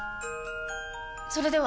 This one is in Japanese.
それでは！